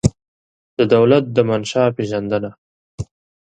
د دولت د منشا پېژندنه